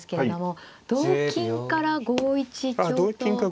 ああ同金から５一香か。